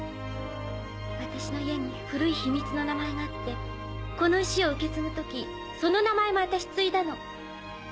私の家に古い秘密の名前があってこの石を受け継ぐ時その名前も私継いだの。